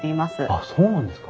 あっそうなんですか。